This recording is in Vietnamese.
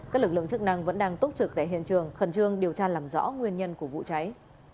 các lực lượng chức năng vẫn đang túc trực tại hiện trường khẩn trương điều tra làm rõ nguyên nhân của vụ cháy